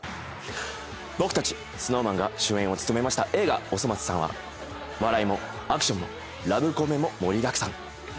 僕たちＳｎｏｗＭａｎが主演を務めました映画『おそ松さん』は笑いもアクションもラブコメも盛りだくさん。